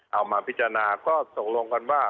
เอามาพิจารณาก็ตกลงกันว่า